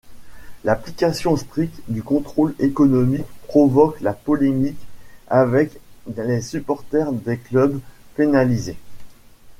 L'application stricte du contrôle économique provoque la polémique avec les supporters des clubs pénalisés.